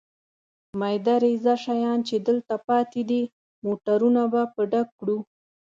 مېده رېزه شیان چې دلته پاتې دي، موټرونه به په ډک کړو.